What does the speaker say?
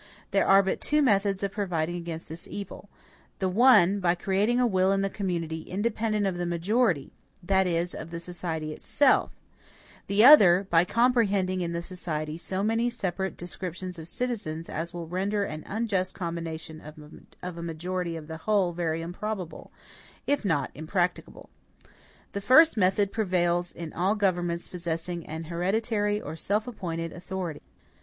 There are but two methods of providing against this evil: the one by creating a will in the community independent of the majority that is, of the society itself; the other, by comprehending in the society so many separate descriptions of citizens as will render an unjust combination of a majority of the whole very improbable, if not impracticable. The first method prevails in all governments possessing an hereditary or self appointed authority.